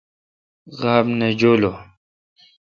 غاب نہ جولوں۔